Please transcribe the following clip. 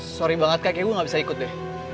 sorry banget kak kayaknya gue gak bisa ikut deh